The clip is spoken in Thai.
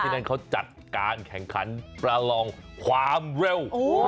นั่นเขาจัดการแข่งขันประลองความเร็ว